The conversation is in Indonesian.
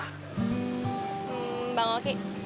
hmm bang oki